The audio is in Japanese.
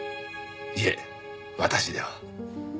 いえ私では。